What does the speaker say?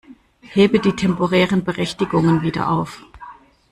Hebe die temporären Berechtigungen wieder auf.